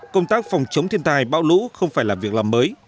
công tác phòng chống thiên tai bão lũ không phải là việc làm mới